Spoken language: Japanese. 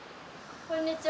こんにちは。